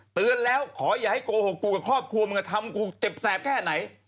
เตือนแล้วขออย่าให้โกหกกูกับครอบครัวมึงทำกูเจ็บแสบแค่ไหน